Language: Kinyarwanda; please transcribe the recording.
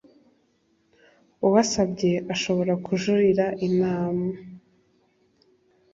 uwasabye ashobora kujuririra inama